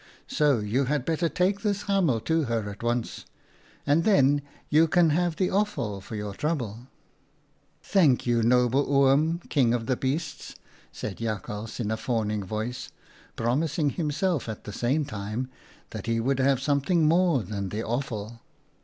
So you had better take this hamel to her at once, and then you can have the offal for your trouble," JAKHALS FED OOM LEEUW 15 "' Thank you, noble Oom, King of Beasts,' said Jakhals in a fawning voice, promising himself at the same time that he would have something more than the offal.